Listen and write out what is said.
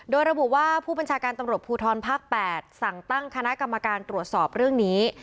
โดยระบุว่าผู้บัญชาการตำรวจภูทรภาค๘สั่งตั้งคณะกรรมการตรวจสอบเรื่องนี้